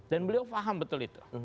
dan beliau faham betul itu